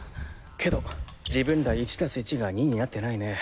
けど自分ら１足す１が２になってないね。